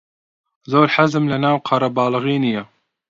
زۆر حەزم لەناو قەرەباڵغی نییە.